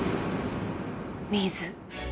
水。